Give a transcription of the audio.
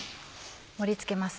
盛り付けます。